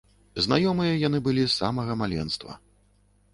Знаёмыя яны былі з самага маленства.